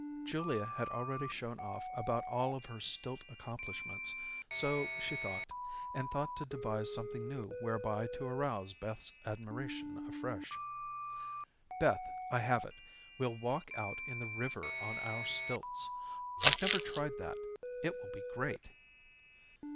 Julia had already shown off about all of her stilt accomplishments, so she thought and thought to devise something new whereby to arouse Beth's admiration afresh. "Beth, I have it. We'll walk out in the river on our stilts. I've never tried that. It will be great."